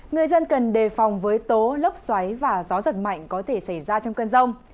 người dân cần đề phòng với tố lốc xoáy và gió giật mạnh có thể xảy ra trong cơn rông